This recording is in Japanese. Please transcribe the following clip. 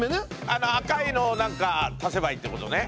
あの赤いのを何か足せばいいってことね。